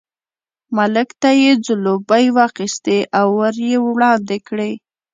ملک ته یې ځلوبۍ واخیستې او ور یې وړاندې کړې.